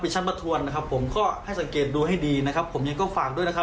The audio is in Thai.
ชั้นประทวนนะครับผมก็ให้สังเกตดูให้ดีนะครับผมยังก็ฝากด้วยนะครับ